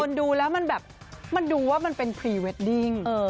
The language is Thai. ดูแล้วมันแบบมันดูว่ามันเป็นพรีเวดดิ้ง